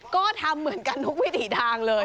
ก็ทำเหมือนกันทุกวิถีทางเลย